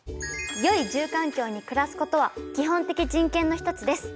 よい住環境に暮らすことは基本的人権のひとつです。